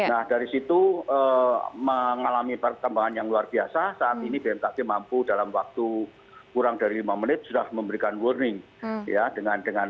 nah dari situ mengalami perkembangan yang luar biasa saat ini bmkg mampu dalam waktu kurang dari lima menit sudah memberikan warning ya